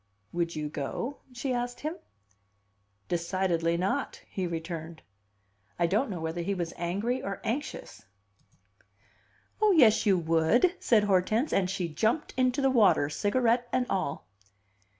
"Would you go?" she asked him "Decidedly not!" he returned. I don't know whether he was angry or anxious. "Oh, yes, you would!" said Hortense; and she jumped into the water, cigarette and all.